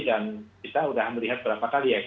dan kita udah melihat berapa kali ya